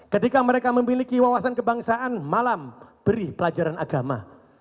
ketika mereka memiliki wawasan kebangsaan malam beri pelajaran agama